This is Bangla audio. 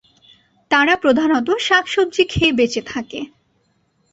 তারা প্রধানত শাক-সব্জি খেয়ে বেচে থাকে।